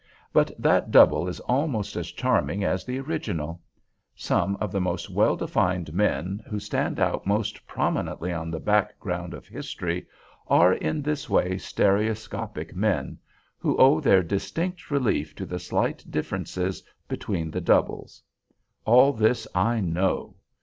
But that double is almost as charming as the original. Some of the most well defined men, who stand out most prominently on the background of history, are in this way stereoscopic men; who owe their distinct relief to the slight differences between the doubles. All this I know.